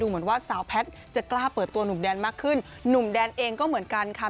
เหมือนว่าสาวแพทย์จะกล้าเปิดตัวหนุ่มแดนมากขึ้นหนุ่มแดนเองก็เหมือนกันค่ะ